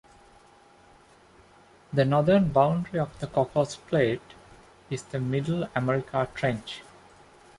The northern boundary of the Cocos Plate is the Middle America Trench.